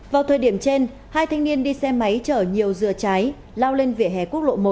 vào thời điểm trên hai thanh niên đi xe máy chở nhiều dừa trái lao lên vỉa hè quốc lộ một